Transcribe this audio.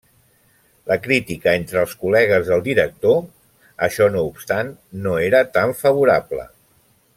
La crítica entre els col·legues del director, això no obstant, no era tan favorable.